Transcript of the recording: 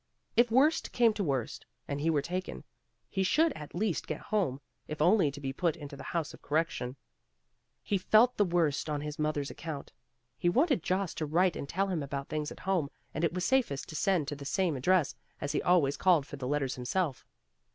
If worst came to worst, and he were taken, he should at least get home, if only to be put into the House of Correction. He felt the worst on his mother's account. He wanted Jost to write and tell him about things at home, and it was safest to send to the same address, as he always called for the letters himself.